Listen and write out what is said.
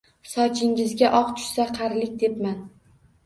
Sochingizga oq tushsa qarilik debman